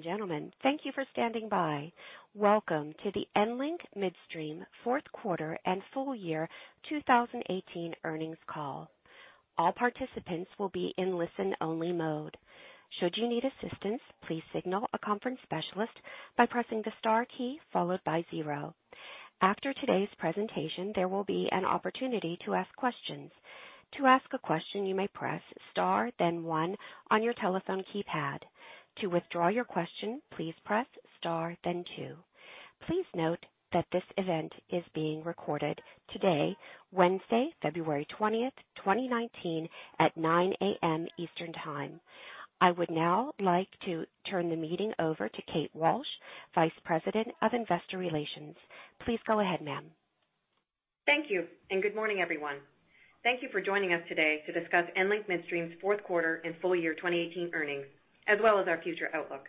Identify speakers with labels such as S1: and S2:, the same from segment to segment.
S1: Gentlemen, thank you for standing by. Welcome to the EnLink Midstream fourth quarter and full year 2018 earnings call. All participants will be in listen-only mode. Should you need assistance, please signal a conference specialist by pressing the star key followed by zero. After today's presentation, there will be an opportunity to ask questions. To ask a question, you may press star then one on your telephone keypad. To withdraw your question, please press star then two. Please note that this event is being recorded today, Wednesday, February 20th, 2019, at 9:00 A.M. Eastern Time. I would now like to turn the meeting over to Kate Walsh, Vice President of Investor Relations. Please go ahead, ma'am.
S2: Thank you, good morning, everyone. Thank you for joining us today to discuss EnLink Midstream's fourth quarter and full year 2018 earnings, as well as our future outlook.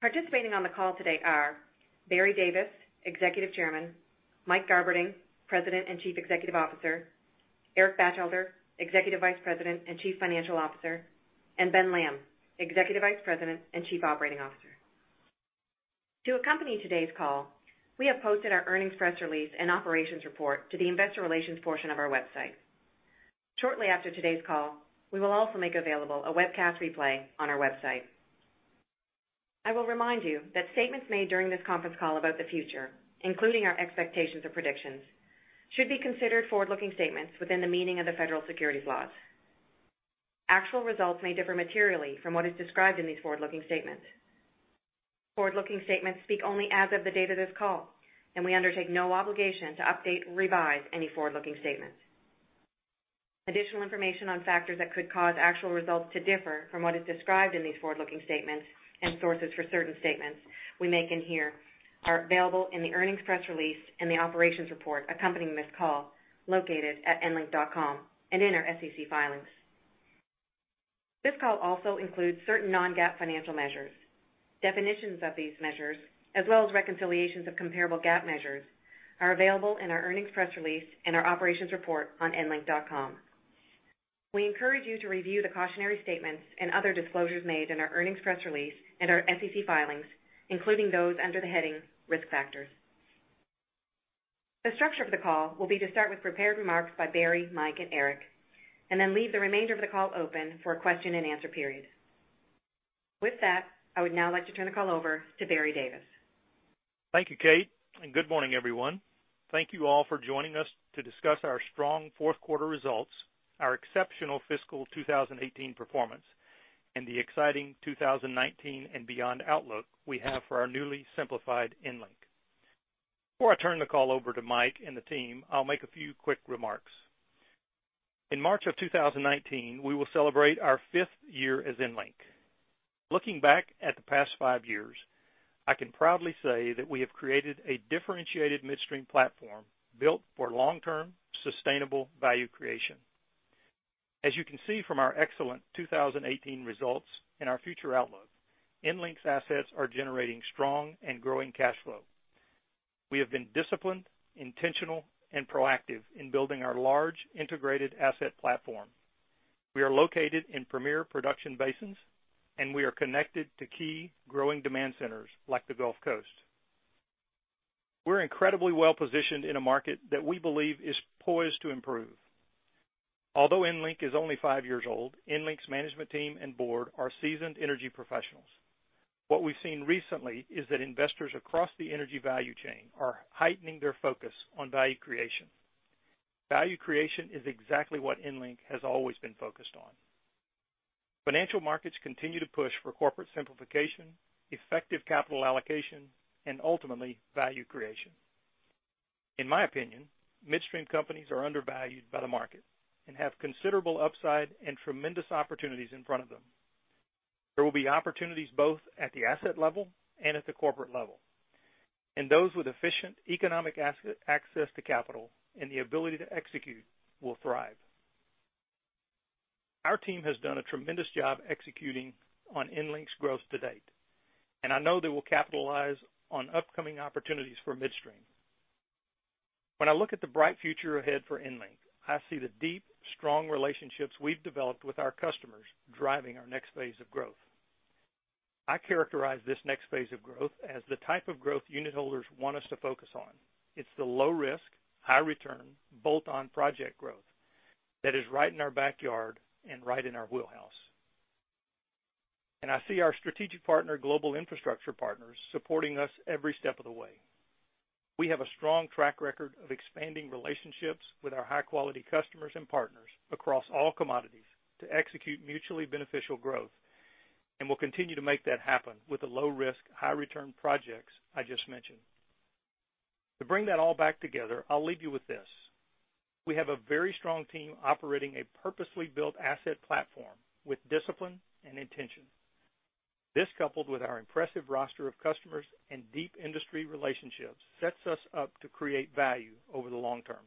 S2: Participating on the call today are Barry Davis, Executive Chairman; Mike Garberding, President and Chief Executive Officer; Eric Batchelder, Executive Vice President and Chief Financial Officer; Ben Lamb, Executive Vice President and Chief Operating Officer. To accompany today's call, we have posted our earnings press release and operations report to the investor relations portion of our website. Shortly after today's call, we will also make available a webcast replay on our website. I will remind you that statements made during this conference call about the future, including our expectations or predictions, should be considered forward-looking statements within the meaning of the federal securities laws. Actual results may differ materially from what is described in these forward-looking statements. Forward-looking statements speak only as of the date of this call. We undertake no obligation to update or revise any forward-looking statements. Additional information on factors that could cause actual results to differ from what is described in these forward-looking statements and sources for certain statements we make in here are available in the earnings press release and the operations report accompanying this call located at enlink.com and in our SEC filings. This call also includes certain non-GAAP financial measures. Definitions of these measures, as well as reconciliations of comparable GAAP measures, are available in our earnings press release and our operations report on enlink.com. We encourage you to review the cautionary statements and other disclosures made in our earnings press release and our SEC filings, including those under the heading Risk Factors. The structure of the call will be to start with prepared remarks by Barry, Mike, and Eric, then leave the remainder of the call open for a question and answer period. With that, I would now like to turn the call over to Barry Davis.
S3: Thank you, Kate, and good morning, everyone. Thank you all for joining us to discuss our strong fourth quarter results, our exceptional fiscal 2018 performance, and the exciting 2019 and beyond outlook we have for our newly simplified EnLink. Before I turn the call over to Mike and the team, I'll make a few quick remarks. In March of 2019, we will celebrate our fifth year as EnLink. Looking back at the past five years, I can proudly say that we have created a differentiated midstream platform built for long-term sustainable value creation. As you can see from our excellent 2018 results and our future outlook, EnLink's assets are generating strong and growing cash flow. We have been disciplined, intentional, and proactive in building our large integrated asset platform. We are located in premier production basins, and we are connected to key growing demand centers like the Gulf Coast. We're incredibly well-positioned in a market that we believe is poised to improve. Although EnLink is only five years old, EnLink's management team and board are seasoned energy professionals. What we've seen recently is that investors across the energy value chain are heightening their focus on value creation. Value creation is exactly what EnLink has always been focused on. Financial markets continue to push for corporate simplification, effective capital allocation, and ultimately, value creation. In my opinion, midstream companies are undervalued by the market and have considerable upside and tremendous opportunities in front of them. There will be opportunities both at the asset level and at the corporate level, and those with efficient economic access to capital and the ability to execute will thrive. Our team has done a tremendous job executing on EnLink's growth to date, and I know they will capitalize on upcoming opportunities for midstream. When I look at the bright future ahead for EnLink, I see the deep, strong relationships we've developed with our customers driving our next phase of growth. I characterize this next phase of growth as the type of growth unit holders want us to focus on. It's the low risk, high return, bolt-on project growth that is right in our backyard and right in our wheelhouse. I see our strategic partner, Global Infrastructure Partners, supporting us every step of the way. We have a strong track record of expanding relationships with our high-quality customers and partners across all commodities to execute mutually beneficial growth, and we'll continue to make that happen with the low risk, high return projects I just mentioned. To bring that all back together, I'll leave you with this. We have a very strong team operating a purposely built asset platform with discipline and intention. This, coupled with our impressive roster of customers and deep industry relationships, sets us up to create value over the long term.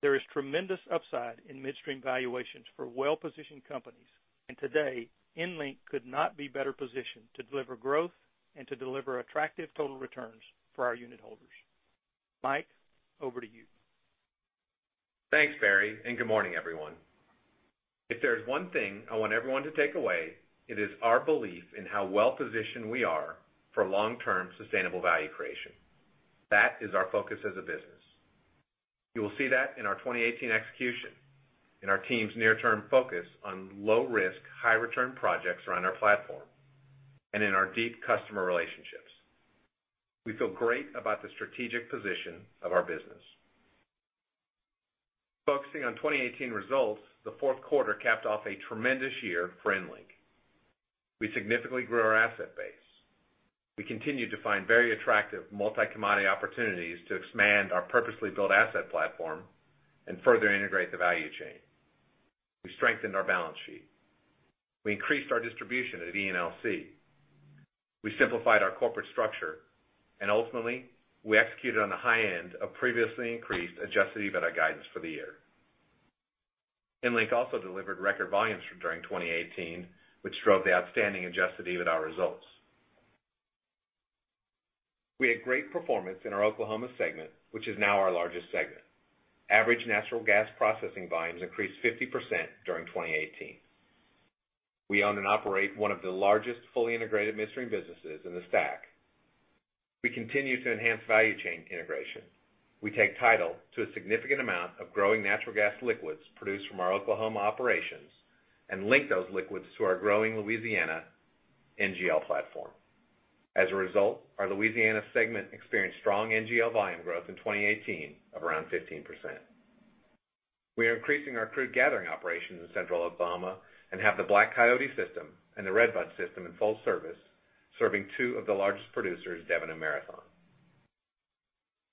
S3: There is tremendous upside in midstream valuations for well-positioned companies, and today, EnLink could not be better positioned to deliver growth and to deliver attractive total returns for our unit holders. Mike, over to you.
S4: Thanks, Barry, and good morning, everyone. If there's one thing I want everyone to take away, it is our belief in how well-positioned we are for long-term sustainable value creation. That is our focus as a business. You will see that in our 2018 execution, in our team's near-term focus on low-risk, high-return projects around our platform, and in our deep customer relationships. We feel great about the strategic position of our business. Focusing on 2018 results, the fourth quarter capped off a tremendous year for EnLink. We significantly grew our asset base. We continued to find very attractive multi-commodity opportunities to expand our purposely built asset platform and further integrate the value chain. We strengthened our balance sheet. We increased our distribution at ENLC. We simplified our corporate structure, and ultimately, we executed on the high end of previously increased adjusted EBITDA guidance for the year. EnLink also delivered record volumes during 2018, which drove the outstanding adjusted EBITDA results. We had great performance in our Oklahoma segment, which is now our largest segment. Average natural gas processing volumes increased 50% during 2018. We own and operate one of the largest fully integrated midstream businesses in the STACK. We continue to enhance value chain integration. We take title to a significant amount of growing natural gas liquids produced from our Oklahoma operations and link those liquids to our growing Louisiana NGL platform. As a result, our Louisiana segment experienced strong NGL volume growth in 2018 of around 15%. We are increasing our crude gathering operations in Central Oklahoma and have the Black Coyote system and the Redbud system in full service, serving two of the largest producers, Devon and Marathon.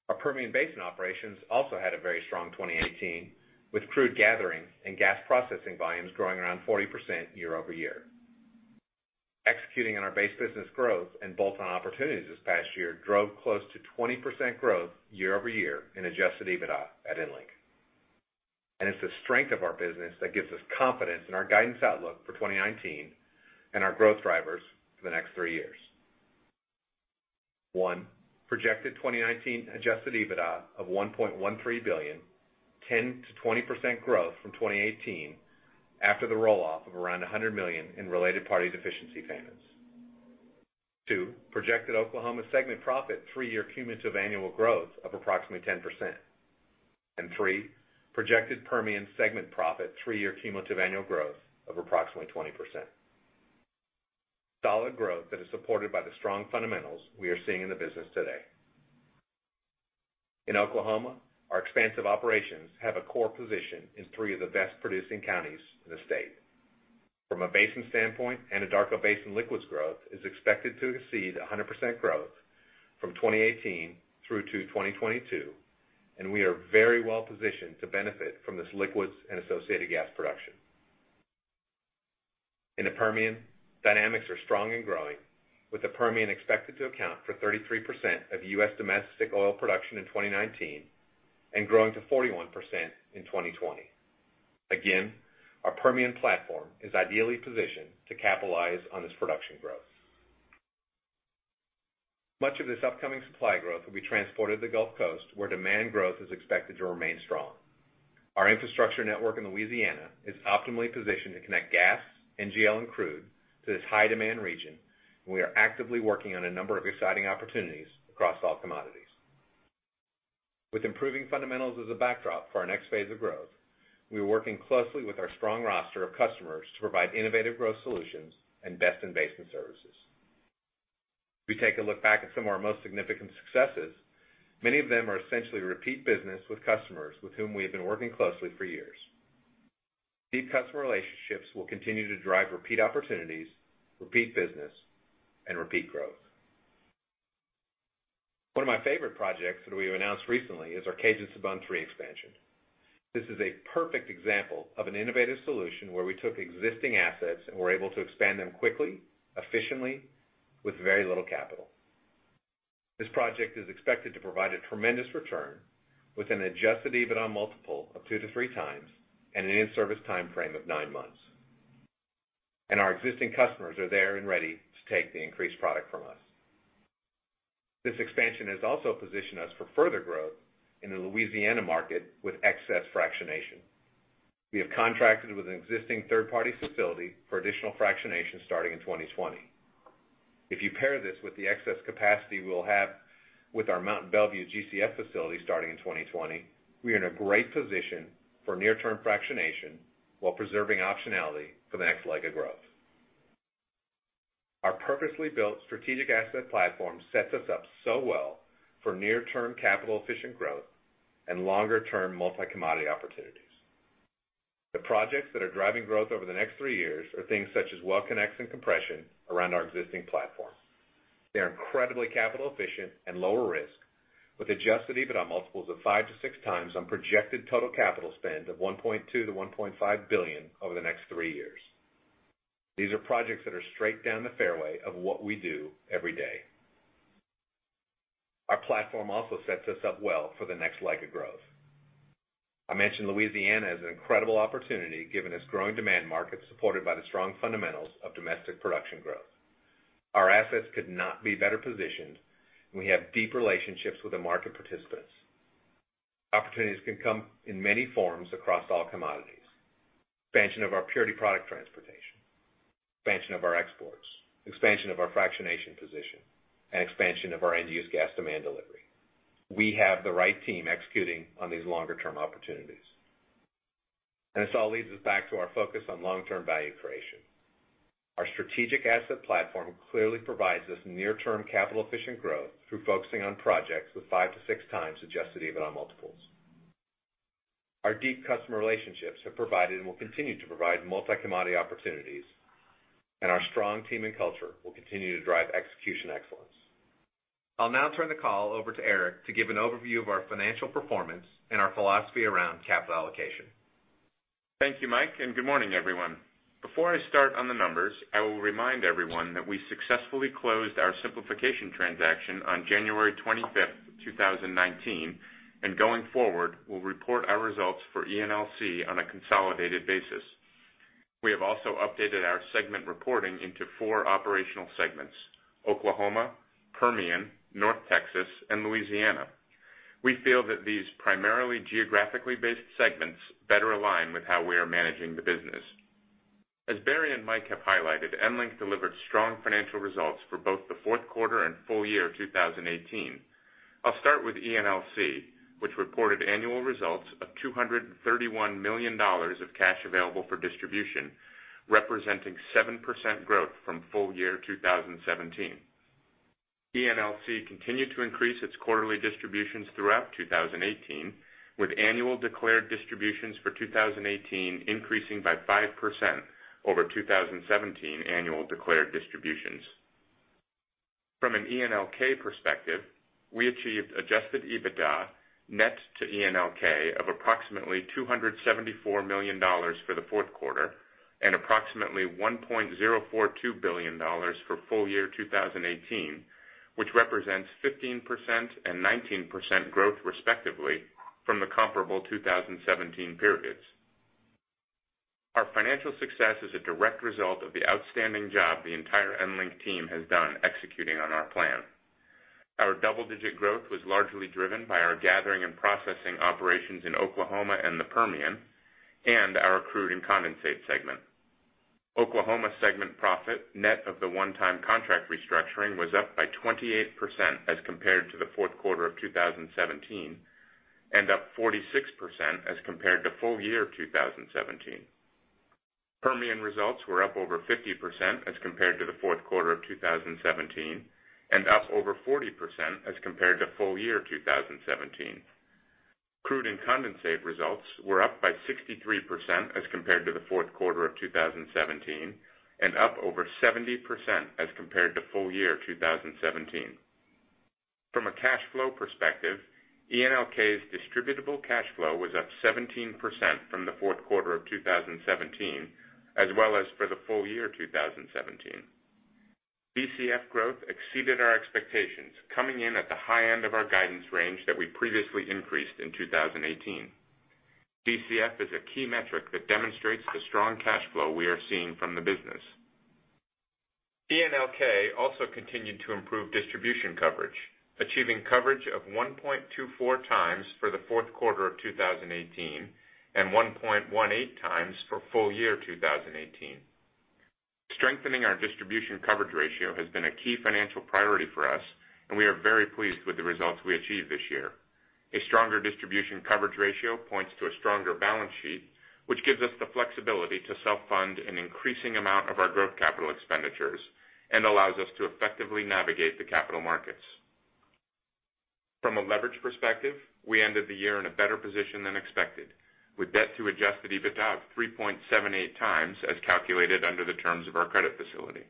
S4: Our Permian Basin operations also had a very strong 2018, with crude gathering and gas processing volumes growing around 40% year-over-year. Executing on our base business growth and bolt-on opportunities this past year drove close to 20% growth year-over-year in adjusted EBITDA at EnLink. It's the strength of our business that gives us confidence in our guidance outlook for 2019 and our growth drivers for the next three years. One, projected 2019 adjusted EBITDA of $1.13 billion, 10%-20% growth from 2018 after the roll-off of around $100 million in related party deficiency payments. Two, projected Oklahoma segment profit three-year cumulative annual growth of approximately 10%. Three, projected Permian segment profit three-year cumulative annual growth of approximately 20%. Solid growth that is supported by the strong fundamentals we are seeing in the business today. In Oklahoma, our expansive operations have a core position in three of the best-producing counties in the state. From a basin standpoint, Anadarko Basin liquids growth is expected to exceed 100% growth from 2018 through to 2022, and we are very well positioned to benefit from this liquids and associated gas production. In the Permian, dynamics are strong and growing, with the Permian expected to account for 33% of U.S. domestic oil production in 2019 and growing to 41% in 2020. Again, our Permian platform is ideally positioned to capitalize on this production growth. Much of this upcoming supply growth will be transported to the Gulf Coast, where demand growth is expected to remain strong. Our infrastructure network in Louisiana is optimally positioned to connect gas, NGL, and crude to this high-demand region, and we are actively working on a number of exciting opportunities across all commodities. With improving fundamentals as a backdrop for our next phase of growth, we are working closely with our strong roster of customers to provide innovative growth solutions and best-in-basin services. If we take a look back at some of our most significant successes, many of them are essentially repeat business with customers with whom we have been working closely for years. Deep customer relationships will continue to drive repeat opportunities, repeat business, and repeat growth. One of my favorite projects that we announced recently is our Cajun-Sibon III expansion. This is a perfect example of an innovative solution where we took existing assets and were able to expand them quickly, efficiently, with very little capital. This project is expected to provide a tremendous return with an adjusted EBITDA multiple of two to three times and an in-service time frame of nine months. Our existing customers are there and ready to take the increased product from us. This expansion has also positioned us for further growth in the Louisiana market with excess fractionation. We have contracted with an existing third-party facility for additional fractionation starting in 2020. If you pair this with the excess capacity we will have with our Mont Belvieu GCF facility starting in 2020, we are in a great position for near-term fractionation while preserving optionality for the next leg of growth. Our purposely built strategic asset platform sets us up so well for near-term capital-efficient growth and longer-term multi-commodity opportunities. The projects that are driving growth over the next three years are things such as well connects and compression around our existing platform. They are incredibly capital efficient and lower risk, with adjusted EBITDA multiples of five to six times on projected total capital spend of $1.2 billion-$1.5 billion over the next three years. These are projects that are straight down the fairway of what we do every day. Our platform also sets us up well for the next leg of growth. I mentioned Louisiana as an incredible opportunity given its growing demand market supported by the strong fundamentals of domestic production growth. Our assets could not be better positioned, and we have deep relationships with the market participants. Opportunities can come in many forms across all commodities. Expansion of our purity product transportation, expansion of our exports, expansion of our fractionation position, and expansion of our end-use gas demand delivery. We have the right team executing on these longer-term opportunities. This all leads us back to our focus on long-term value creation. Our strategic asset platform clearly provides us near-term capital-efficient growth through focusing on projects with five to six times adjusted EBITDA multiples. Our deep customer relationships have provided and will continue to provide multi-commodity opportunities, and our strong team and culture will continue to drive execution excellence. I will now turn the call over to Eric to give an overview of our financial performance and our philosophy around capital allocation.
S5: Thank you, Mike, and good morning, everyone. Before I start on the numbers, I will remind everyone that we successfully closed our simplification transaction on January 25th, 2019. Going forward, we'll report our results for ENLC on a consolidated basis. We have also updated our segment reporting into four operational segments: Oklahoma, Permian, North Texas, and Louisiana. We feel that these primarily geographically based segments better align with how we are managing the business. As Barry and Mike have highlighted, EnLink delivered strong financial results for both the fourth quarter and full year 2018. I'll start with ENLC, which reported annual results of $231 million of cash available for distribution, representing 7% growth from full year 2017. ENLC continued to increase its quarterly distributions throughout 2018, with annual declared distributions for 2018 increasing by 5% over 2017 annual declared distributions. From an ENLK perspective, we achieved adjusted EBITDA net to ENLK of approximately $274 million for the fourth quarter and approximately $1.042 billion for full year 2018, which represents 15% and 19% growth, respectively, from the comparable 2017 periods. Our financial success is a direct result of the outstanding job the entire EnLink team has done executing on our plan. Our double-digit growth was largely driven by our gathering and processing operations in Oklahoma and the Permian, and our crude and condensate segment. Oklahoma segment profit, net of the one-time contract restructuring, was up by 28% as compared to the fourth quarter of 2017, and up 46% as compared to full year 2017. Permian results were up over 50% as compared to the fourth quarter of 2017 and up over 40% as compared to full year 2017. Crude and condensate results were up by 63% as compared to the fourth quarter of 2017, and up over 70% as compared to full year 2017. From a cash flow perspective, ENLK's distributable cash flow was up 17% from the fourth quarter of 2017, as well as for the full year 2017. DCF growth exceeded our expectations, coming in at the high end of our guidance range that we previously increased in 2018. DCF is a key metric that demonstrates the strong cash flow we are seeing from the business. ENLK also continued to improve distribution coverage, achieving coverage of 1.24 times for the fourth quarter of 2018 and 1.18 times for full year 2018. Strengthening our distribution coverage ratio has been a key financial priority for us, and we are very pleased with the results we achieved this year. A stronger distribution coverage ratio points to a stronger balance sheet, which gives us the flexibility to self-fund an increasing amount of our growth capital expenditures and allows us to effectively navigate the capital markets. From a leverage perspective, we ended the year in a better position than expected, with debt to adjusted EBITDA of 3.78 times, as calculated under the terms of our credit facility.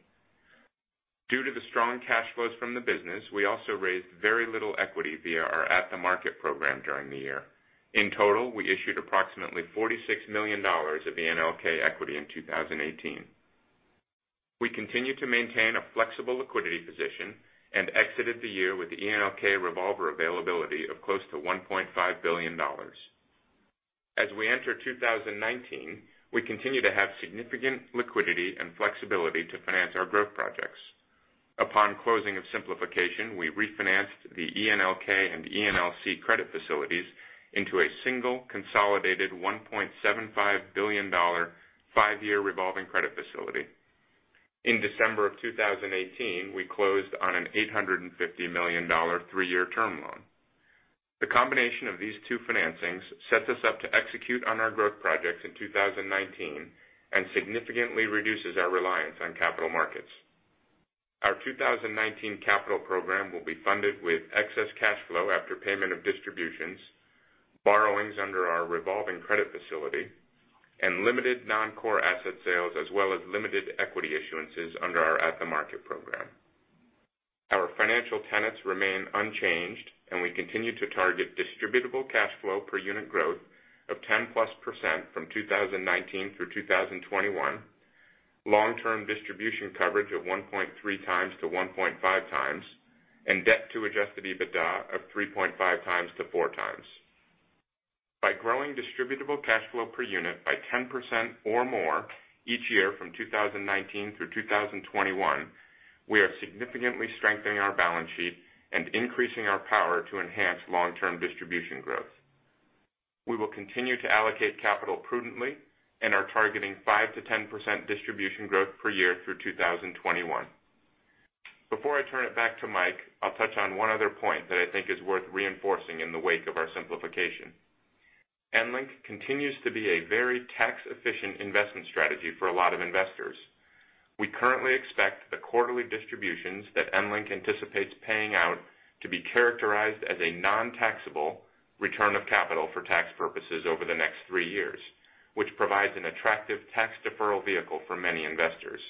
S5: Due to the strong cash flows from the business, we also raised very little equity via our at-the-market program during the year. In total, we issued approximately $46 million of ENLK equity in 2018. We continue to maintain a flexible liquidity position and exited the year with ENLK revolver availability of close to $1.5 billion. As we enter 2019, we continue to have significant liquidity and flexibility to finance our growth projects. Upon closing of simplification, we refinanced the ENLK and ENLC credit facilities into a single consolidated $1.75 billion five-year revolving credit facility. In December of 2018, we closed on an $850 million three-year term loan. The combination of these two financings sets us up to execute on our growth projects in 2019 and significantly reduces our reliance on capital markets. Our 2019 capital program will be funded with excess cash flow after payment of distributions, borrowings under our revolving credit facility, and limited non-core asset sales, as well as limited equity issuances under our at-the-market program. Our financial tenets remain unchanged. We continue to target distributable cash flow per unit growth of 10-plus% from 2019 through 2021, long-term distribution coverage of 1.3x-1.5x, and debt to adjusted EBITDA of 3.5x-4x. By growing distributable cash flow per unit by 10% or more each year from 2019 through 2021, we are significantly strengthening our balance sheet and increasing our power to enhance long-term distribution growth. We will continue to allocate capital prudently and are targeting 5%-10% distribution growth per year through 2021. Before I turn it back to Mike, I'll touch on one other point that I think is worth reinforcing in the wake of our simplification. EnLink continues to be a very tax-efficient investment strategy for a lot of investors. We currently expect the quarterly distributions that EnLink anticipates paying out to be characterized as a non-taxable return of capital for tax purposes over the next three years, which provides an attractive tax deferral vehicle for many investors.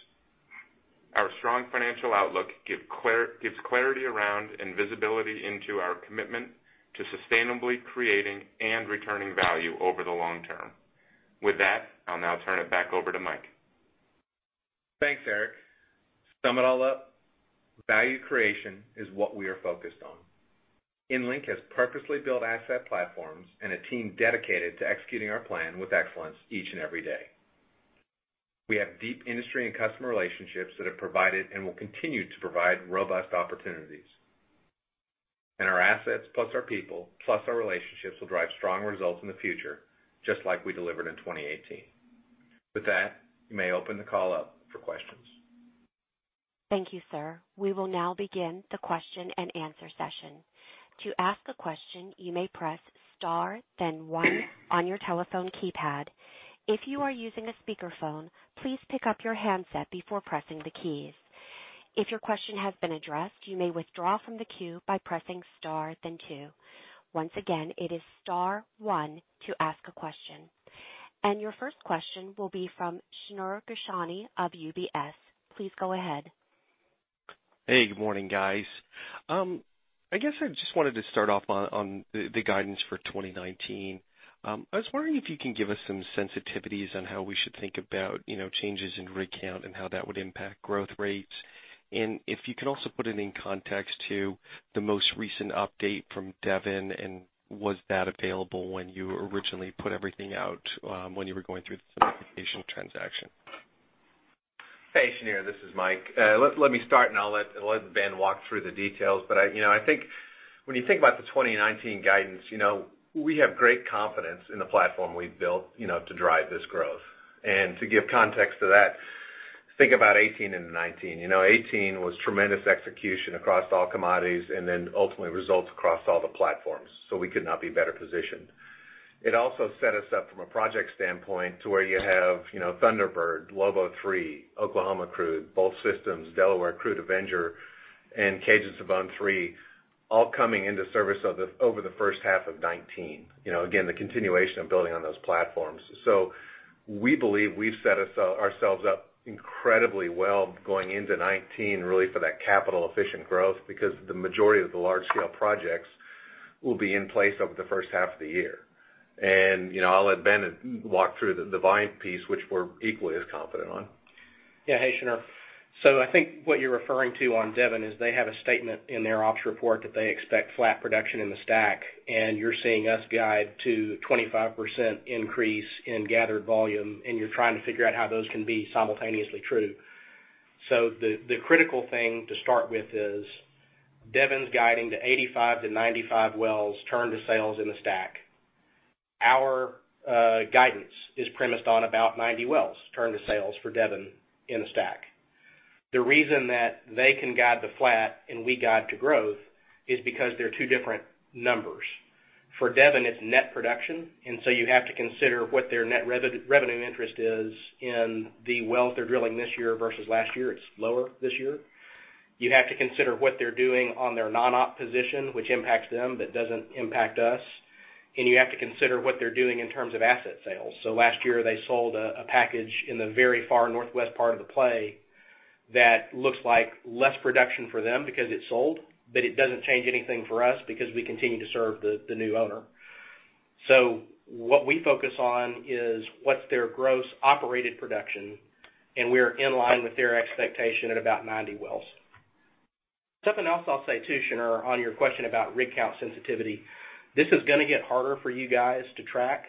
S5: Our strong financial outlook gives clarity around and visibility into our commitment to sustainably creating and returning value over the long term. With that, I'll now turn it back over to Mike.
S4: Thanks, Eric. Sum it all up, value creation is what we are focused on. EnLink has purposely built asset platforms and a team dedicated to executing our plan with excellence each and every day. We have deep industry and customer relationships that have provided and will continue to provide robust opportunities. Our assets, plus our people, plus our relationships, will drive strong results in the future, just like we delivered in 2018. With that, you may open the call up for questions.
S1: Thank you, sir. We will now begin the question and answer session. To ask a question, you may press star then one on your telephone keypad. If you are using a speakerphone, please pick up your handset before pressing the keys. If your question has been addressed, you may withdraw from the queue by pressing star then two. Once again, it is star one to ask a question. Your first question will be from Shneur Gershuni of UBS. Please go ahead.
S6: Hey, good morning, guys. I guess I just wanted to start off on the guidance for 2019. I was wondering if you can give us some sensitivities on how we should think about changes in rig count and how that would impact growth rates. If you can also put it in context to the most recent update from Devon, and was that available when you originally put everything out when you were going through the simplification transaction?
S4: Hey, Shneur. This is Mike. Let me start. I'll let Ben walk through the details. When you think about the 2019 guidance, we have great confidence in the platform we've built to drive this growth. To give context to that, think about 2018 and 2019. 2018 was tremendous execution across all commodities, ultimately results across all the platforms. We could not be better positioned. It also set us up from a project standpoint to where you have Thunderbird, Lobo III, Oklahoma Crude, Bolt Systems, Delaware Crude Avenger, and Cajun-Sibon III all coming into service over the first half of 2019. Again, the continuation of building on those platforms. We believe we've set ourselves up incredibly well going into 2019, really for that capital-efficient growth, because the majority of the large-scale projects will be in place over the first half of the year. I'll let Ben walk through the volume piece, which we're equally as confident on.
S7: Yeah. Hey, Shneur. I think what you're referring to on Devon is they have a statement in their ops report that they expect flat production in the STACK, and you're seeing us guide to 25% increase in gathered volume. You're trying to figure out how those can be simultaneously true. The critical thing to start with is Devon's guiding to 85-95 wells turn to sales in the STACK. Our guidance is premised on about 90 wells turn to sales for Devon in the STACK. The reason that they can guide the flat and we guide to growth is because they're two different numbers. For Devon, it's net production. You have to consider what their net revenue interest is in the wells they're drilling this year versus last year. It's lower this year. You have to consider what they're doing on their non-op position, which impacts them, but doesn't impact us. You have to consider what they're doing in terms of asset sales. Last year, they sold a package in the very far northwest part of the play that looks like less production for them because it's sold, but it doesn't change anything for us because we continue to serve the new owner. What we focus on is what's their gross operated production, and we're in line with their expectation at about 90 wells. Something else I'll say too, Shneur, on your question about rig count sensitivity. This is going to get harder for you guys to track,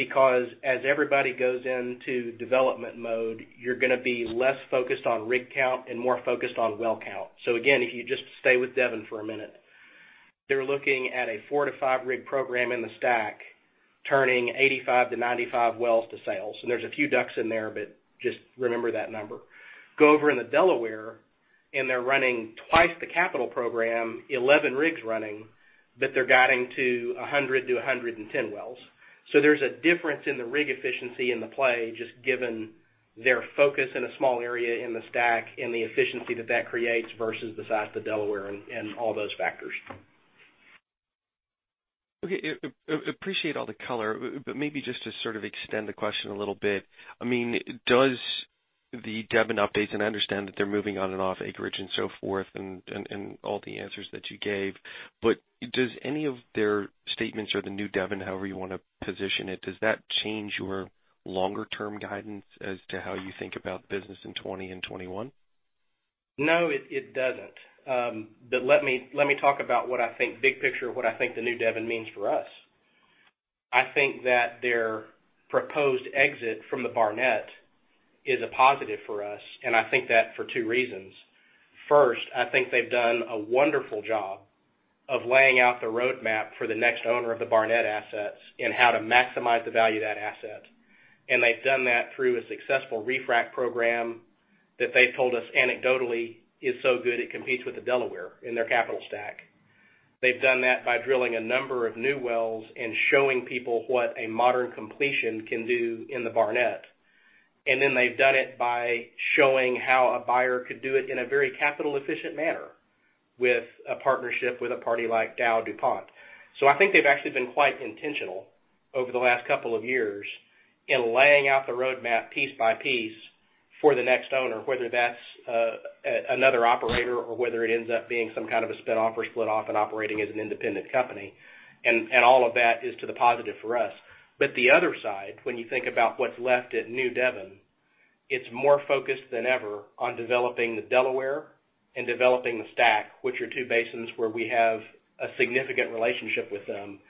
S7: because as everybody goes into development mode, you're going to be less focused on rig count and more focused on well count. Again, if you just stay with Devon for a minute, they were looking at a four- to five-rig program in the STACK, turning 85-95 wells to sales. There's a few DUCs in there, but just remember that number. Go over in the Delaware, they're running twice the capital program, 11 rigs running, but they're guiding to 100-110 wells. There's a difference in the rig efficiency in the play, just given their focus in a small area in the STACK and the efficiency that that creates versus the size of the Delaware and all those factors.
S6: Okay. Appreciate all the color. Maybe just to sort of extend the question a little bit. Does the Devon updates, I understand that they're moving on and off acreage and so forth, all the answers that you gave, does any of their statements or the new Devon, however you want to position it, does that change your longer-term guidance as to how you think about the business in 2020 and 2021?
S7: No, it doesn't. Let me talk about what I think big picture, what I think the new Devon means for us. I think that their proposed exit from the Barnett is a positive for us, for two reasons. First, I think they've done a wonderful job of laying out the roadmap for the next owner of the Barnett assets and how to maximize the value of that asset. They've done that through a successful refrac program that they've told us anecdotally is so good it competes with the Delaware in their capital stack. They've done that by drilling a number of new wells and showing people what a modern completion can do in the Barnett. Then they've done it by showing how a buyer could do it in a very capital-efficient manner with a partnership with a party like DowDuPont. I think they've actually been quite intentional over the last couple of years in laying out the roadmap piece by piece for the next owner, whether that's another operator or whether it ends up being some kind of a spin-off or split off and operating as an independent company. All of that is to the positive for us. The other side, when you think about what's left at New Devon, it's more focused than ever on developing the Delaware and developing the STACK, which are two basins where we have a significant relationship with them.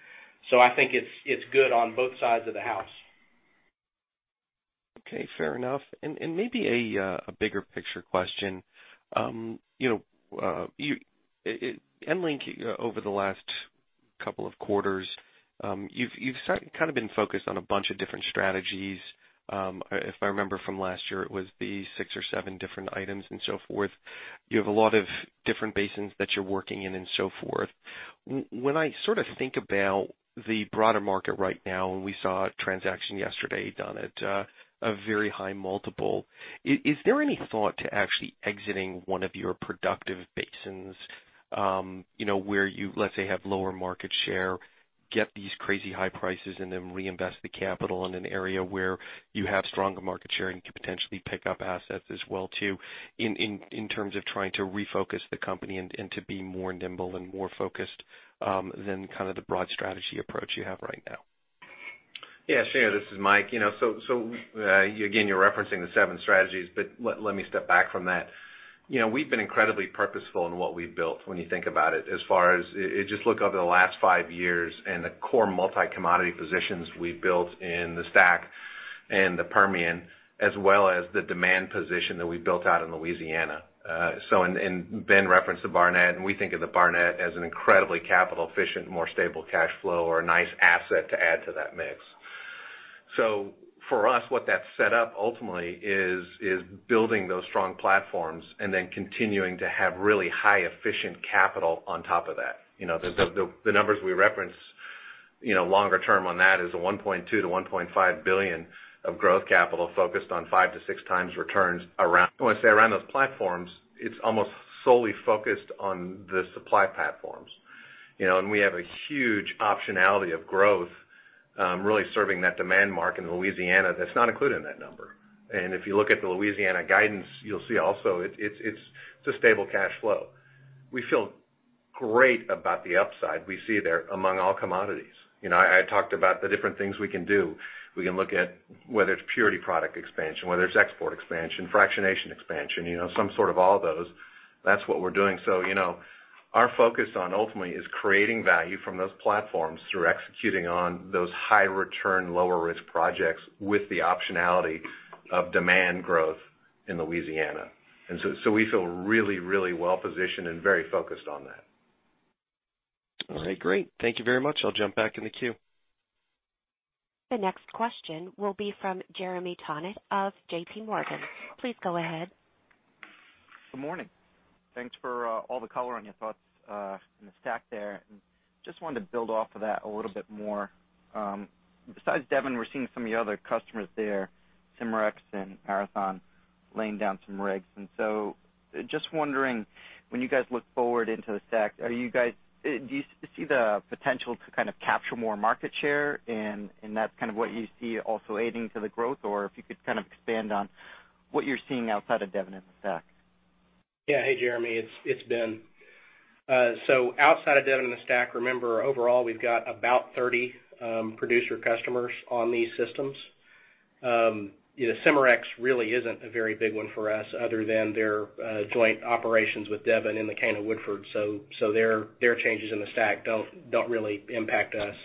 S7: I think it's good on both sides of the house.
S6: Okay, fair enough. Maybe a bigger picture question. EnLink, over the last couple of quarters, you've kind of been focused on a bunch of different strategies. If I remember from last year, it was the six or seven different items and so forth. You have a lot of different basins that you're working in and so forth. When I sort of think about the broader market right now, and we saw a transaction yesterday done at a very high multiple, is there any thought to actually exiting one of your productive basins where you, let's say, have lower market share, get these crazy high prices, and then reinvest the capital in an area where you have stronger market share and could potentially pick up assets as well too, in terms of trying to refocus the company and to be more nimble and more focused than kind of the broad strategy approach you have right now?
S4: Yeah, Shneur, this is Mike. Again, you're referencing the seven strategies, but let me step back from that. We've been incredibly purposeful in what we've built when you think about it, just look over the last five years and the core multi-commodity positions we've built in the STACK and the Permian, as well as the demand position that we've built out in Louisiana. Ben referenced the Barnett, we think of the Barnett as an incredibly capital efficient, more stable cash flow or a nice asset to add to that mix. For us, what that set up ultimately is building those strong platforms and then continuing to have really high efficient capital on top of that. The numbers we reference longer term on that is a $1.2 billion-$1.5 billion of growth capital focused on five to six times returns around those platforms, it's almost solely focused on the supply platforms. We have a huge optionality of growth, really serving that demand mark in Louisiana that's not included in that number. If you look at the Louisiana guidance, you'll see also it's a stable cash flow. We feel great about the upside we see there among all commodities. I talked about the different things we can do. We can look at whether it's purity product expansion, whether it's export expansion, fractionation expansion, some sort of all those. That's what we're doing. Our focus on ultimately is creating value from those platforms through executing on those high return, lower risk projects with the optionality of demand growth in Louisiana. We feel really well positioned and very focused on that.
S6: All right, great. Thank you very much. I'll jump back in the queue.
S1: The next question will be from Jeremy Tonet of JPMorgan. Please go ahead.
S8: Good morning. Thanks for all the color on your thoughts on the STACK there. Just wanted to build off of that a little bit more. Besides Devon, we're seeing some of the other customers there, Cimarex and Marathon, laying down some rigs. Just wondering, when you guys look forward into the STACK, do you see the potential to kind of capture more market share and that's kind of what you see also aiding to the growth? If you could kind of expand on what you're seeing outside of Devon and the STACK.
S7: Yeah. Hey, Jeremy, it's Ben. Outside of Devon and the STACK, remember overall, we've got about 30 producer customers on these systems. Cimarex really isn't a very big one for us other than their joint operations with Devon in the Cana-Woodford. Their changes in the STACK don't really impact us.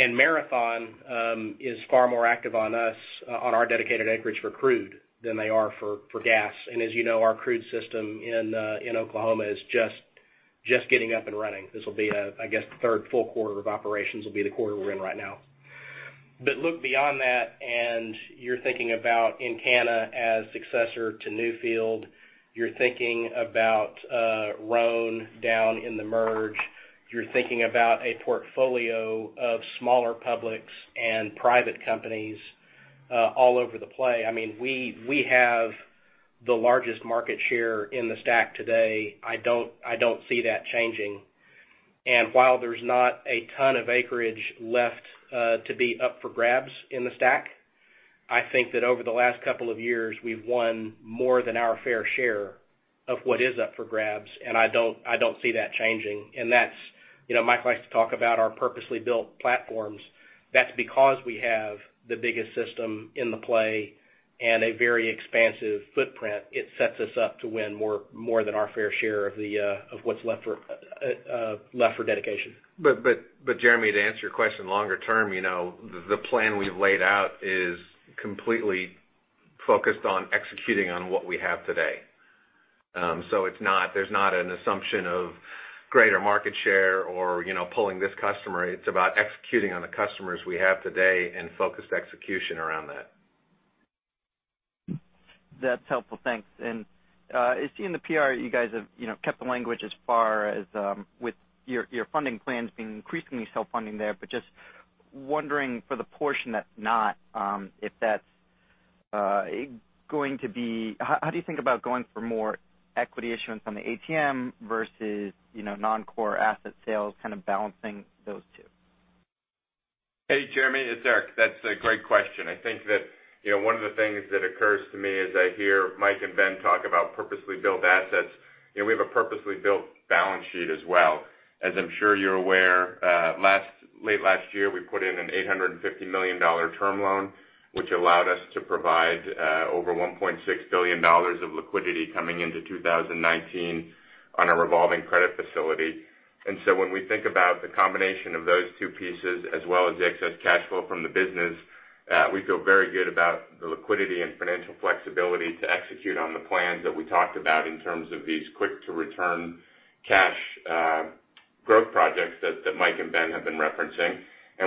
S7: Marathon is far more active on us on our dedicated acreage for crude than they are for gas. As you know, our crude system in Oklahoma is just getting up and running. This will be, I guess, the third full quarter of operations will be the quarter we're in right now. Look beyond that, you're thinking about Encana as successor to Newfield. You're thinking about Roan down in the Merge. You're thinking about a portfolio of smaller publics and private companies all over the play. I mean, we have the largest market share in the STACK today. I don't see that changing. While there's not a ton of acreage left to be up for grabs in the STACK, I think that over the last couple of years, we've won more than our fair share of what is up for grabs, I don't see that changing. That's Mike likes to talk about our purposely built platforms. That's because we have the biggest system in the play and a very expansive footprint. It sets us up to win more than our fair share of what's left for dedication.
S4: Jeremy, to answer your question longer term, the plan we've laid out is completely focused on executing on what we have today. There's not an assumption of greater market share or pulling this customer. It's about executing on the customers we have today and focused execution around that.
S8: That's helpful. Thanks. I've seen the PR you guys have kept the language as far as with your funding plans being increasingly self-funding there. Just wondering for the portion that's not, how do you think about going for more equity issuance on the ATM versus non-core asset sales kind of balancing those two?
S5: Hey, Jeremy, it's Eric. That's a great question. I think that one of the things that occurs to me as I hear Mike and Ben talk about purposely built assets, we have a purposely built balance sheet as well. As I'm sure you're aware, late last year, we put in an $850 million term loan, which allowed us to provide over $1.6 billion of liquidity coming into 2019 on a revolving credit facility. When we think about the combination of those two pieces as well as the excess cash flow from the business, we feel very good about the liquidity and financial flexibility to execute on the plans that we talked about in terms of these quick-to-return cash growth projects that Mike and Ben have been referencing.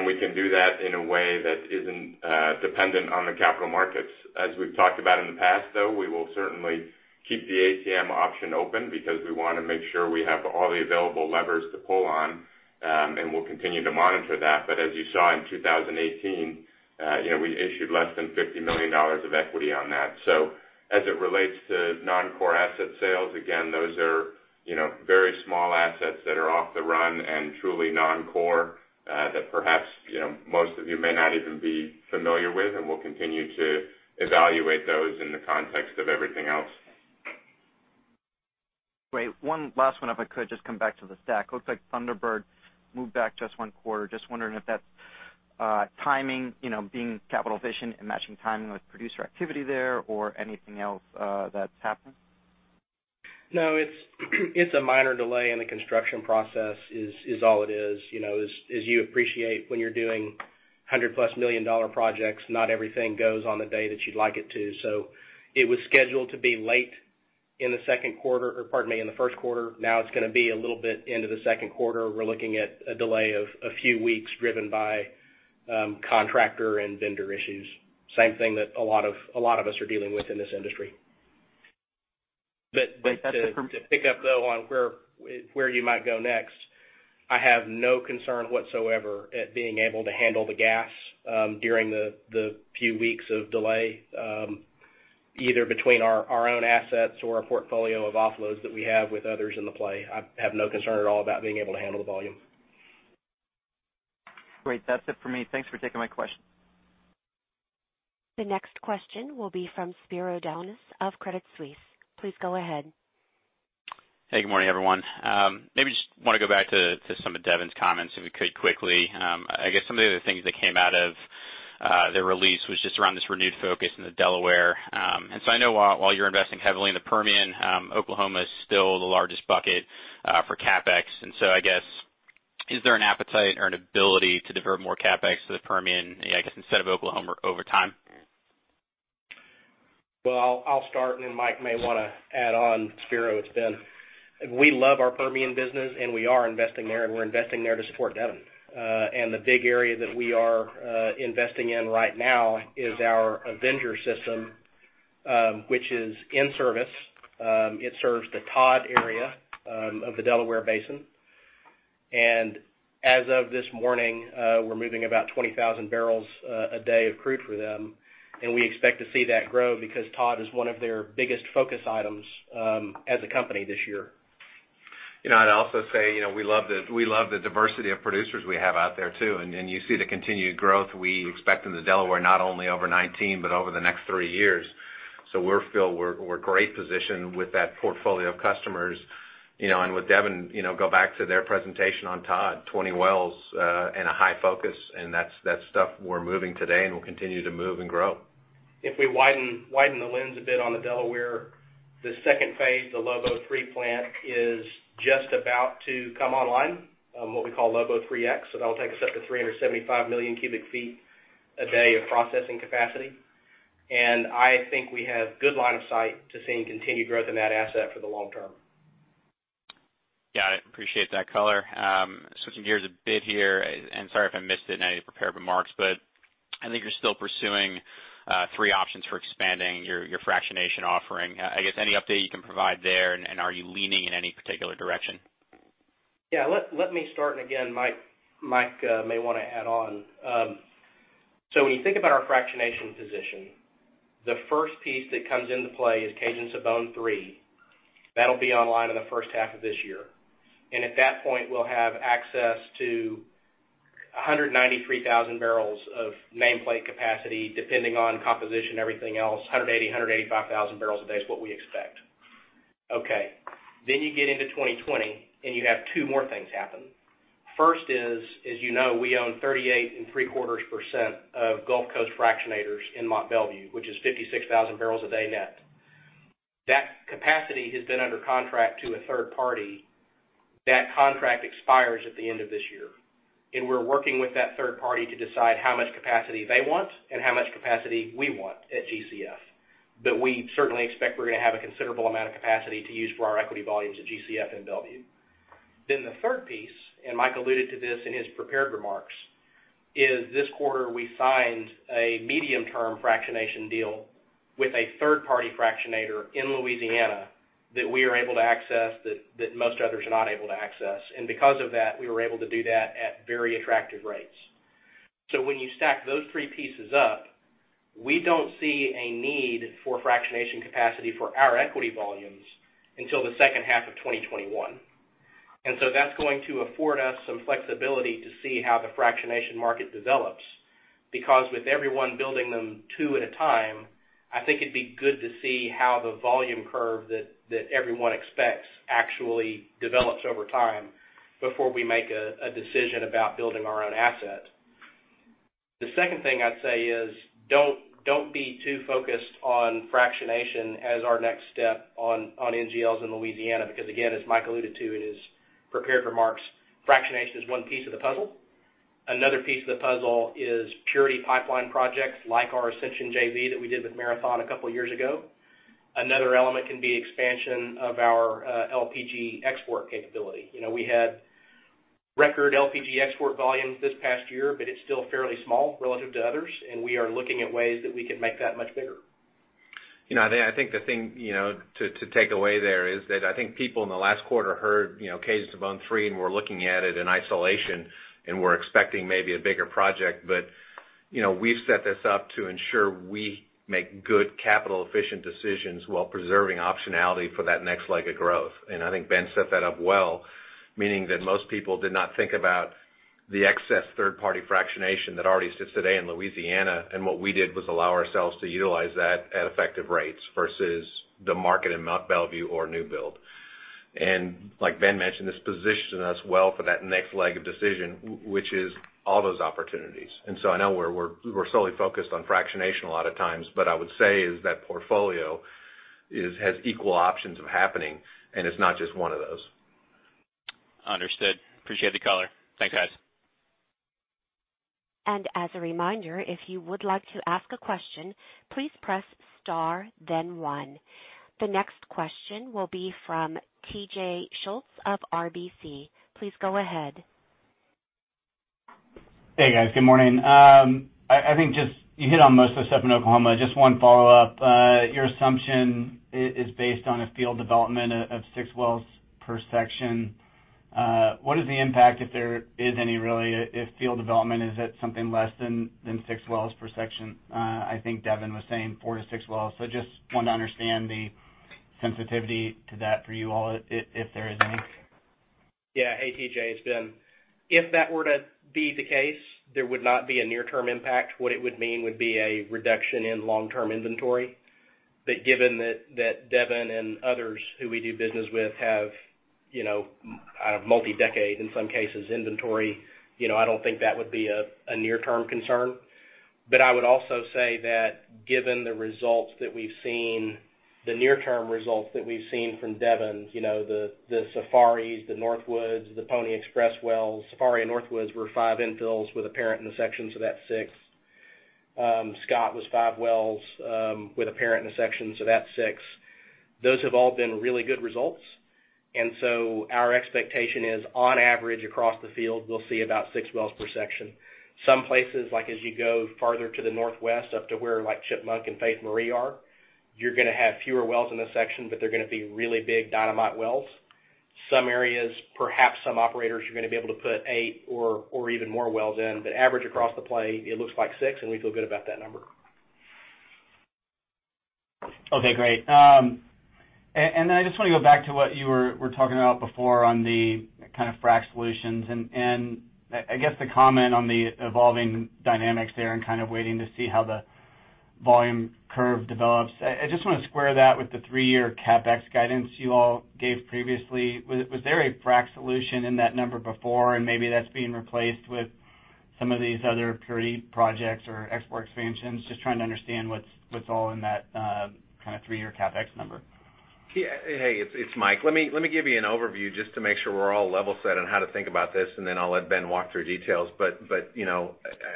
S5: We can do that in a way that isn't dependent on the capital markets. As we've talked about in the past, though, we will certainly keep the ATM option open because we want to make sure we have all the available levers to pull on, and we'll continue to monitor that. As you saw in 2018, we issued less than $50 million of equity on that. As it relates to non-core asset sales, again, those are very small assets that are off the run and truly non-core, that perhaps most of you may not even be familiar with, and we'll continue to evaluate those in the context of everything else.
S8: Great. One last one, if I could just come back to the STACK. Looks like Thunderbird moved back just one quarter. Just wondering if that's timing, being capital efficient and matching timing with producer activity there or anything else that's happened.
S7: No, it's a minor delay in the construction process is all it is. As you appreciate when you're doing $100-plus million projects, not everything goes on the day that you'd like it to. It was scheduled to be late in the second quarter, or pardon me, in the first quarter. Now it's going to be a little bit into the second quarter. We're looking at a delay of a few weeks driven by contractor and vendor issues. Same thing that a lot of us are dealing with in this industry. To pick up, though, on where you might go next, I have no concern whatsoever at being able to handle the gas during the few weeks of delay, either between our own assets or our portfolio of offloads that we have with others in the play. I have no concern at all about being able to handle the volume.
S8: Great. That's it for me. Thanks for taking my question.
S1: The next question will be from Spiro Dounis of Credit Suisse. Please go ahead.
S9: Hey, good morning, everyone. Maybe just want to go back to some of Devon's comments, if we could quickly. I guess some of the other things that came out of the release was just around this renewed focus in the Delaware. I know while you're investing heavily in the Permian, Oklahoma is still the largest bucket for CapEx. I guess, is there an appetite or an ability to divert more CapEx to the Permian, I guess, instead of Oklahoma over time?
S7: Well, I'll start and then Mike may want to add on. Spiro, it's Ben. We love our Permian business, and we are investing there, and we're investing there to support Devon. The big area that we are investing in right now is our Avenger system, which is in service. It serves the Todd area of the Delaware Basin. As of this morning, we're moving about 20,000 barrels a day of crude for them, and we expect to see that grow because Todd is one of their biggest focus items as a company this year.
S4: I'd also say, we love the diversity of producers we have out there too. You see the continued growth we expect in the Delaware, not only over 2019, but over the next three years. We feel we're great positioned with that portfolio of customers. With Devon, go back to their presentation on Todd, 20 wells and a high focus, and that's stuff we're moving today and will continue to move and grow.
S7: If we widen the lens a bit on the Delaware, the second phase, the Lobo III plant, is just about to come online, what we call Lobo III X. That'll take us up to 375 million cubic feet a day of processing capacity. I think we have good line of sight to seeing continued growth in that asset for the long term.
S9: Got it. Appreciate that color. Switching gears a bit here, sorry if I missed it in any of your prepared remarks, I think you're still pursuing three options for expanding your fractionation offering. I guess, any update you can provide there, are you leaning in any particular direction?
S7: Yeah, let me start, again, Mike may want to add on. When you think about our fractionation position, the first piece that comes into play is Cajun-Sibon III. That'll be online in the first half of this year. At that point, we'll have access to 193,000 barrels of nameplate capacity, depending on composition, everything else, 180,000 to 185,000 barrels a day is what we expect. Okay. You get into 2020, you have two more things happen. First is, as you know, we own 38.75% of Gulf Coast Fractionators in Mont Belvieu, which is 56,000 barrels a day net. That capacity has been under contract to a third party. That contract expires at the end of this year, we're working with that third party to decide how much capacity they want and how much capacity we want at GCF. We certainly expect we're going to have a considerable amount of capacity to use for our equity volumes at GCF in Belvieu. The third piece, and Mike alluded to this in his prepared remarks, is this quarter, we signed a medium-term fractionation deal with a third-party fractionator in Louisiana that we are able to access that most others are not able to access. Because of that, we were able to do that at very attractive rates. When you stack those three pieces up, we don't see a need for fractionation capacity for our equity volumes until the second half of 2021. That's going to afford us some flexibility to see how the fractionation market develops, because with everyone building them two at a time, I think it'd be good to see how the volume curve that everyone expects actually develops over time before we make a decision about building our own asset. The second thing I'd say is don't be too focused on fractionation as our next step on NGLs in Louisiana, because again, as Mike alluded to in his prepared remarks, fractionation is one piece of the puzzle. Another piece of the puzzle is purity pipeline projects like our Ascension JV that we did with Marathon a couple of years ago. Another element can be expansion of our LPG export capability. We had record LPG export volumes this past year, it's still fairly small relative to others, we are looking at ways that we can make that much bigger.
S4: I think the thing to take away there is that I think people in the last quarter heard Cajun-Sibon, were looking at it in isolation and were expecting maybe a bigger project. We've set this up to ensure we make good capital-efficient decisions while preserving optionality for that next leg of growth. I think Ben set that up well, meaning that most people did not think about the excess third-party fractionation that already sits today in Louisiana, and what we did was allow ourselves to utilize that at effective rates versus the market in Mont Belvieu or a new build. Like Ben mentioned, this positions us well for that next leg of decision, which is all those opportunities. I know we're solely focused on fractionation a lot of times, but I would say is that portfolio has equal options of happening, and it's not just one of those.
S9: Understood. Appreciate the color. Thanks, guys.
S1: As a reminder, if you would like to ask a question, please press star then one. The next question will be from T.J. Schultz of RBC. Please go ahead.
S10: Hey, guys. Good morning. I think just you hit on most of the stuff in Oklahoma. Just one follow-up. Your assumption is based on a field development of six wells per section. What is the impact, if there is any really, if field development is at something less than six wells per section? I think Devon was saying four to six wells. Just want to understand the sensitivity to that for you all, if there is any.
S7: Hey, T.J., it's Ben. If that were to be the case, there would not be a near-term impact. What it would mean would be a reduction in long-term inventory. Given that Devon and others who we do business with have out of multi-decade, in some cases, inventory, I don't think that would be a near-term concern. I would also say that given the near-term results that we've seen from Devon, the Safaris, the Northwoods, the Pony Express wells. Safari and Northwoods were five infills with a parent in the section, so that's six. Scott was five wells with a parent in the section, so that's six. Those have all been really good results. Our expectation is, on average across the field, we'll see about six wells per section. Some places, like as you go farther to the northwest, up to where like Chipmunk and Faith Marie are, you're going to have fewer wells in a section, but they're going to be really big dynamite wells. Some areas, perhaps some operators are going to be able to put eight or even more wells in. Average across the play, it looks like six, and we feel good about that number.
S10: Okay, great. I just want to go back to what you were talking about before on the kind of frack solutions and I guess the comment on the evolving dynamics there and kind of waiting to see how the volume curve develops. I just want to square that with the three-year CapEx guidance you all gave previously. Was there a frack solution in that number before, and maybe that's being replaced with some of these other purity projects or export expansions? Just trying to understand what's all in that kind of three-year CapEx number.
S4: Hey, it's Mike. Let me give you an overview just to make sure we're all level set on how to think about this, and then I'll let Ben walk through details.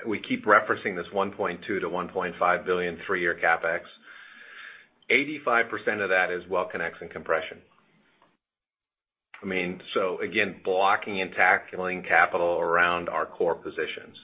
S4: We keep referencing this $1.2 billion to $1.5 billion three-year CapEx. 85% of that is well connects and compression. Again, blocking and tackling capital around our core positions.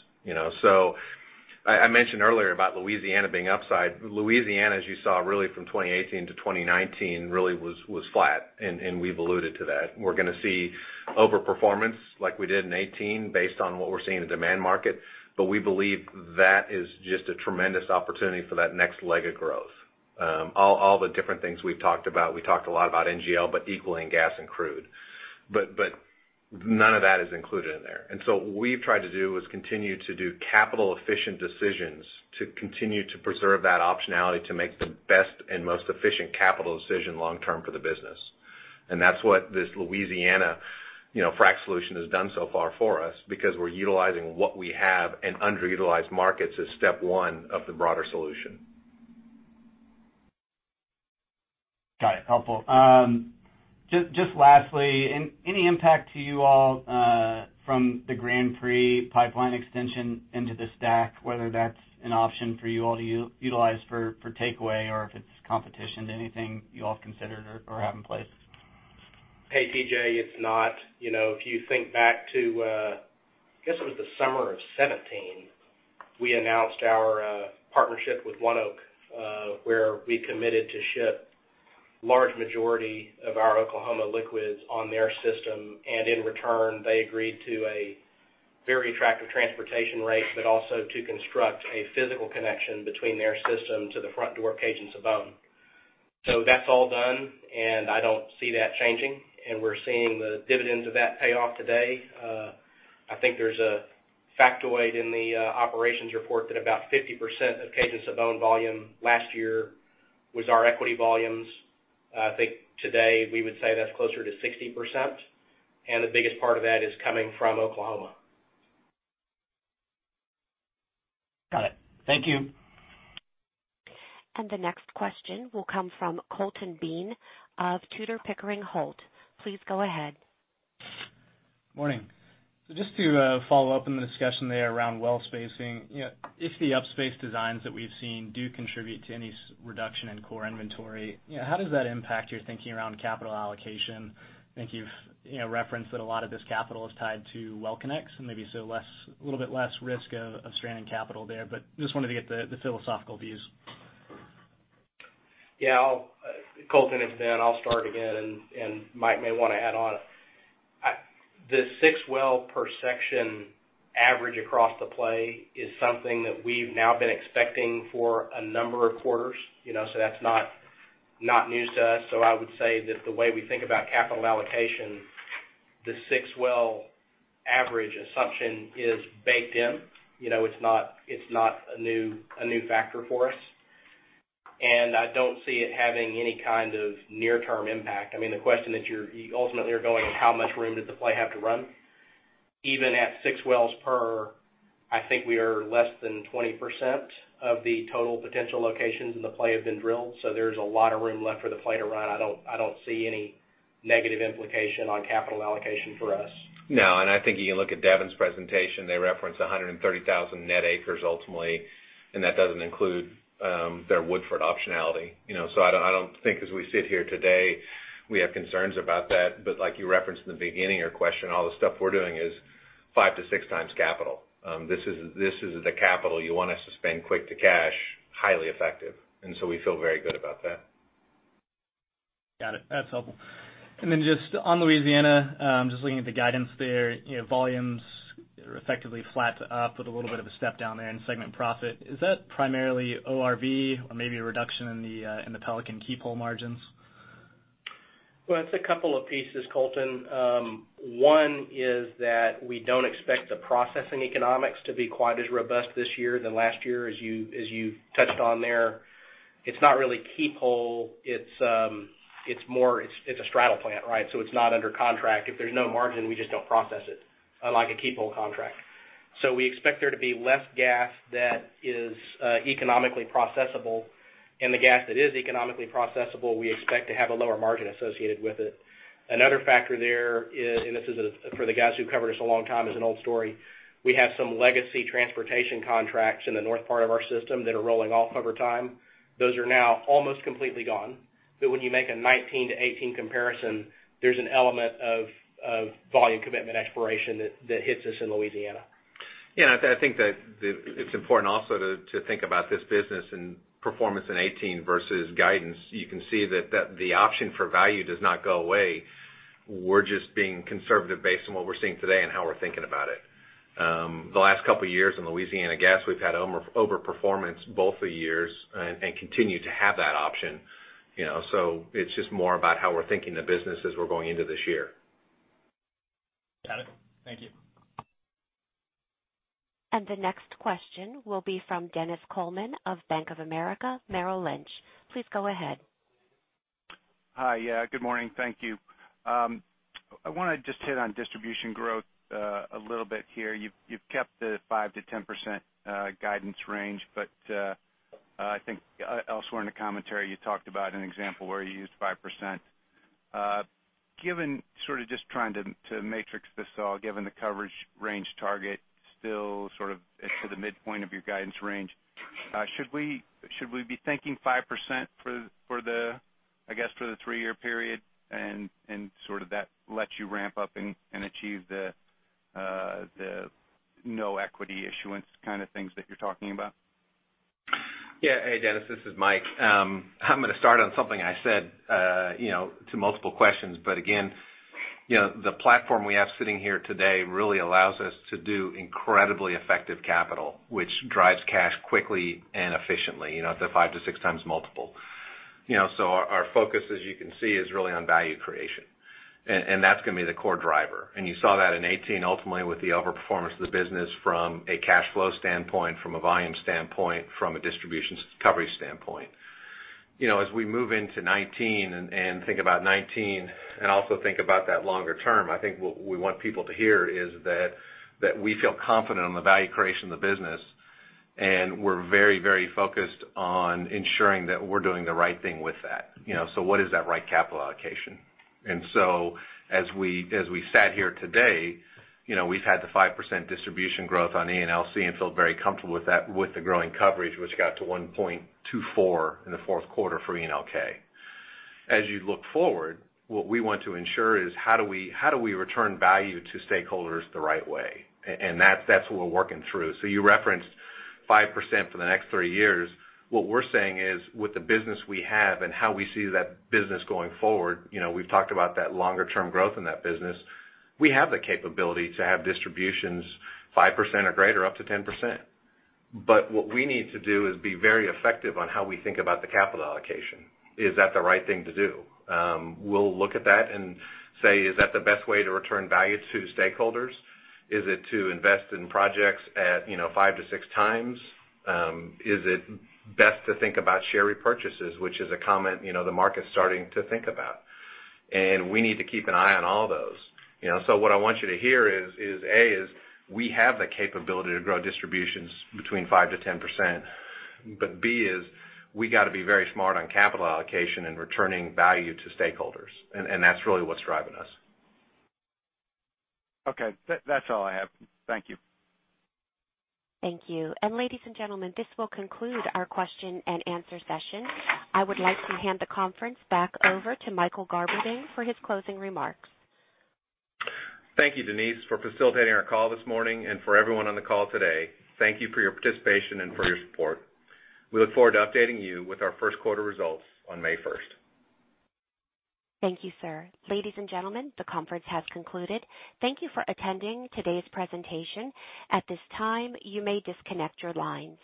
S4: I mentioned earlier about Louisiana being upside. Louisiana, as you saw really from 2018 to 2019, really was flat, and we've alluded to that. We're going to see overperformance like we did in 2018 based on what we're seeing in the demand markets. We believe that is just a tremendous opportunity for that next leg of growth. All the different things we've talked about, we talked a lot about NGL, but equally in gas and crude. None of that is included in there. What we've tried to do is continue to do capital-efficient decisions to continue to preserve that optionality to make the best and most efficient capital decision long-term for the business. That's what this Louisiana fractionation solution has done so far for us, because we're utilizing what we have in underutilized markets as step 1 of the broader solution.
S10: Got it. Helpful. Just lastly, any impact to you all from the Grand Prix pipeline extension into the STACK, whether that's an option for you all to utilize for takeaway or if it's competition to anything you all have considered or have in place?
S7: Hey, TJ, it's not. If you think back to, I guess it was the summer of 2017, we announced our partnership with ONEOK where we committed to ship large majority of our Oklahoma liquids on their system. In return, they agreed to a very attractive transportation rate, but also to construct a physical connection between their system to the front door of Cajun-Sibon. That's all done, and I don't see that changing, and we're seeing the dividends of that pay off today. I think there's a factoid in the operations report that about 50% of Cajun-Sibon volume last year was our equity volumes. I think today we would say that's closer to 60%, and the biggest part of that is coming from Oklahoma.
S10: Got it. Thank you.
S1: The next question will come from Colton Bean of Tudor, Pickering Holt. Please go ahead.
S11: Morning. Just to follow up on the discussion there around well spacing. If the upspace designs that we've seen do contribute to any reduction in core inventory, how does that impact your thinking around capital allocation? I think you've referenced that a lot of this capital is tied to well connects, and maybe so a little bit less risk of stranding capital there, but just wanted to get the philosophical views.
S7: Yeah. Colton, I'll start again, and Mike may want to add on. The six well per section average across the play is something that we've now been expecting for a number of quarters, so that's not news to us. I would say that the way we think about capital allocation, the six well average assumption is baked in. It's not a new factor for us. I don't see it having any kind of near-term impact. The question that you ultimately are going is how much room does the play have to run? Even at six wells per, I think we are less than 20% of the total potential locations in the play have been drilled. There's a lot of room left for the play to run. I don't see any negative implication on capital allocation for us.
S4: No, and I think you can look at Devon's presentation. They reference 130,000 net acres ultimately, and that doesn't include their Woodford optionality. I don't think as we sit here today, we have concerns about that. Like you referenced in the beginning of your question, all the stuff we're doing is five to six times capital. This is the capital you want us to spend quick to cash, highly effective. We feel very good about that.
S11: Got it. That's helpful. Just on Louisiana, I'm just looking at the guidance there. Volumes are effectively flat to up with a little bit of a step down there in segment profit. Is that primarily ORV or maybe a reduction in the Pelican keep whole margins?
S7: Well, it's a couple of pieces, Colton. One is that we don't expect the processing economics to be quite as robust this year than last year, as you touched on there. It's not really keep whole, it's a straddle plant, right? It's not under contract. If there's no margin, we just don't process it, unlike a keep whole contract. We expect there to be less gas that is economically processable, and the gas that is economically processable, we expect to have a lower margin associated with it. Another factor there is, and this is for the guys who've covered us a long time as an old story, we have some legacy transportation contracts in the north part of our system that are rolling off over time. Those are now almost completely gone. When you make a 2019 to 2018 comparison, there's an element of volume commitment expiration that hits us in Louisiana.
S4: Yeah, I think that it's important also to think about this business and performance in 2018 versus guidance. You can see that the option for value does not go away. We're just being conservative based on what we're seeing today and how we're thinking about it. The last couple of years in Louisiana gas, we've had over-performance both the years and continue to have that option. It's just more about how we're thinking the business as we're going into this year.
S11: Got it. Thank you.
S1: The next question will be from Dennis Coleman of Bank of America Merrill Lynch. Please go ahead.
S12: Hi. Good morning. Thank you. I want to just hit on distribution growth a little bit here. You've kept the 5%-10% guidance range, but I think elsewhere in the commentary, you talked about an example where you used 5%. Given sort of just trying to matrix this all, given the coverage range target still sort of to the midpoint of your guidance range, should we be thinking 5% for the three-year period, and sort of that lets you ramp up and achieve the no equity issuance kind of things that you're talking about?
S4: Hey, Dennis, this is Mike. I'm going to start on something I said to multiple questions. Again, the platform we have sitting here today really allows us to do incredibly effective capital, which drives cash quickly and efficiently at the five to six times multiple. Our focus, as you can see, is really on value creation. That's going to be the core driver. You saw that in 2018 ultimately with the over-performance of the business from a cash flow standpoint, from a volume standpoint, from a distributions recovery standpoint. As we move into 2019 and think about 2019 and also think about that longer term, I think what we want people to hear is that we feel confident on the value creation of the business, and we're very focused on ensuring that we're doing the right thing with that. What is that right capital allocation? As we sat here today, we've had the 5% distribution growth on ENLC and feel very comfortable with that, with the growing coverage, which got to 1.24 in the fourth quarter for ENLK. As you look forward, what we want to ensure is how do we return value to stakeholders the right way? That's what we're working through. You referenced 5% for the next three years. What we're saying is, with the business we have and how we see that business going forward, we've talked about that longer term growth in that business. We have the capability to have distributions 5% or greater, up to 10%. What we need to do is be very effective on how we think about the capital allocation. Is that the right thing to do? We'll look at that and say, is that the best way to return value to stakeholders? Is it to invest in projects at 5 to 6 times? Is it best to think about share repurchases, which is a comment the market's starting to think about. We need to keep an eye on all those. What I want you to hear is, A, is we have the capability to grow distributions between 5%-10%, but B is we got to be very smart on capital allocation and returning value to stakeholders. That's really what's driving us.
S12: Okay. That's all I have. Thank you.
S1: Thank you. Ladies and gentlemen, this will conclude our question and answer session. I would like to hand the conference back over to Michael Garberding for his closing remarks.
S4: Thank you, Denise, for facilitating our call this morning and for everyone on the call today. Thank you for your participation and for your support. We look forward to updating you with our first quarter results on May 1st.
S1: Thank you, sir. Ladies and gentlemen, the conference has concluded. Thank you for attending today's presentation. At this time, you may disconnect your lines.